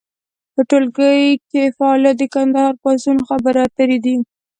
په ټولګي کې فعالیت د کندهار پاڅون خبرې اترې دي.